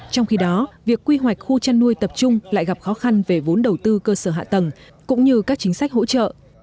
trong khi đó việc quy hoạch khu chăn nuôi tập trung lại gặp khó khăn về vốn đầu tư cơ sở hạ tầng cũng như các chính sách hỗ trợ